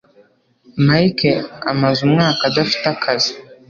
Mike amaze umwaka adafite akazi.